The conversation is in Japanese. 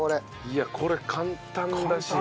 いやこれ簡単だし。